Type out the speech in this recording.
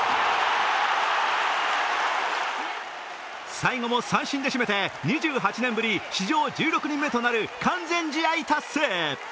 最後も三振で締めて、２８年ぶり、史上１６人目となる完全試合達成！